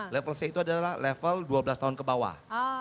level c itu adalah level dua belas tahun ke bawah